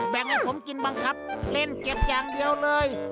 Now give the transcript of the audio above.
แบ่งให้ผมกินบ้างครับเล่นแกะแจ้งเดียวเลย